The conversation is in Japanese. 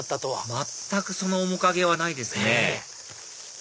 全くその面影はないですね